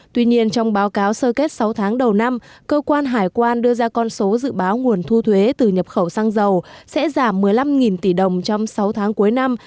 tuy nhiên trong báo cáo sơ kết sáu tháng đầu năm cơ quan hải quan đưa ra con số dự báo nguồn thu thuế từ nhập khẩu xăng dầu sẽ giảm một mươi năm tỷ đồng trong sáu tháng cuối năm